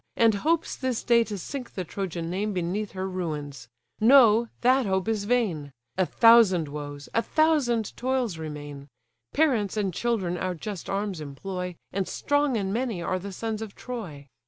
And hopes this day to sink the Trojan name Beneath her ruins! Know, that hope is vain; A thousand woes, a thousand toils remain. Parents and children our just arms employ, And strong and many are the sons of Troy.